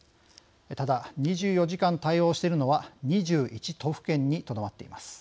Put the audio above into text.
ただ２４時間対応しているのは２１都府県にとどまっています。